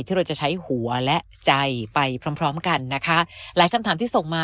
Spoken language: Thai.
ที่เราจะใช้หัวและใจไปพร้อมพร้อมกันนะคะหลายคำถามที่ส่งมา